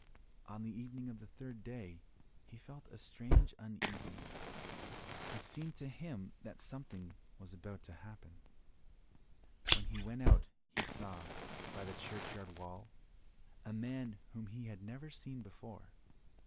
On the evening of the third day he felt a strange uneasiness, it seemed to him that something was about to happen. When he went out he saw, by the churchyard wall, a man whom he had never seen before.